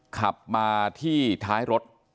ขับมาที่ท้ายรถ